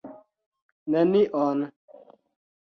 Nenion.